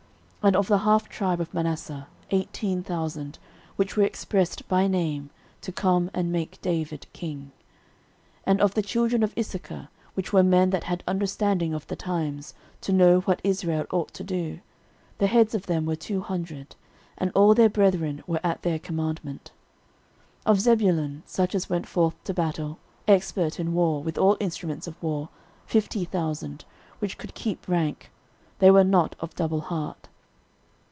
13:012:031 And of the half tribe of Manasseh eighteen thousand, which were expressed by name, to come and make David king. 13:012:032 And of the children of Issachar, which were men that had understanding of the times, to know what Israel ought to do; the heads of them were two hundred; and all their brethren were at their commandment. 13:012:033 Of Zebulun, such as went forth to battle, expert in war, with all instruments of war, fifty thousand, which could keep rank: they were not of double heart.